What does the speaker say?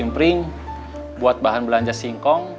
pembelian pering buat bahan belanja singkong